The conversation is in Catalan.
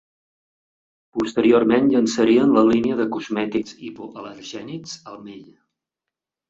Posteriorment llançarien la línia de cosmètics hipoal·lergènics Almay.